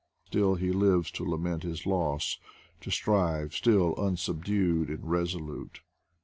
Still he lives to lament his loss ; to strive still, unsubdued and resolute.